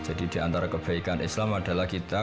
jadi di antara kebaikan islam adalah kita